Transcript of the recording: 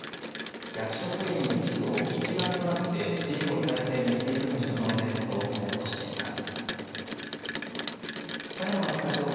役職員一同、一丸となってい事業再生に取り組む所存ですとコメントしています。